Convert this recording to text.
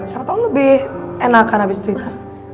siapa tau lebih enakan abis cerita